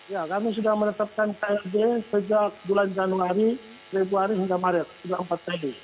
ya kami sudah menetapkan kfd sejak bulan januari februari hingga maret